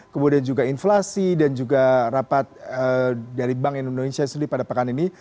kemudian juga inflasi dan juga rapat dari bank indonesia sendiri pada pekan ini